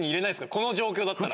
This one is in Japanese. この状況だったら。